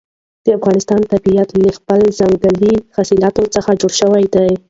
د افغانستان طبیعت له خپلو ځنګلي حاصلاتو څخه جوړ شوی دی.